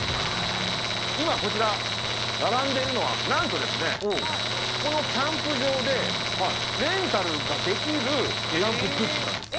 今、こちら、並んでいるのは、なんと、このキャンプ場でレンタルができるキャンプグッズなんです。